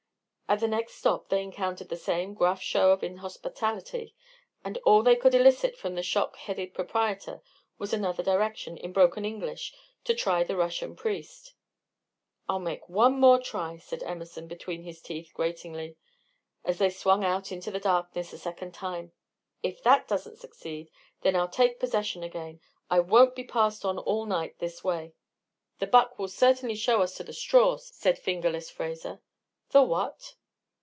At the next stop they encountered the same gruff show of inhospitality, and all they could elicit from the shock headed proprietor was another direction, in broken English, to try the Russian priest. "I'll make one more try," said Emerson, between his teeth, gratingly, as they swung out into the darkness a second time. "If that doesn't succeed, then I'll take possession again. I won't be passed on all night this way." "The 'buck' will certainly show us to the straw," said "Fingerless" Fraser. "The what?"